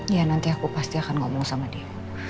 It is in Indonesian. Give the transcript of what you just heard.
ya nanti aku pasti akan ngomong sama dia